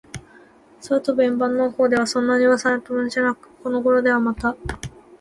空とぶ円盤のほうでは、そんなうわさにはむとんじゃくに、このごろでは、また、ほうぼうの国へと、しきりと、あらわれるようになりました。